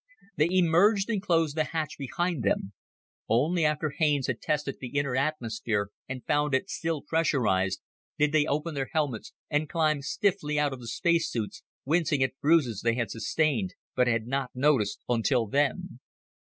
They emerged and closed the hatch behind them. Only after Haines had tested the inner atmosphere and found it still pressurized, did they open their helmets and climb stiffly out of the space suits, wincing at bruises they had sustained but had not noticed until then.